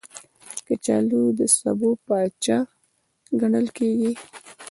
کچالو د سبو پاچا ګڼل کېږي